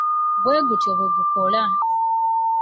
Bwe gutyo bwe gukola.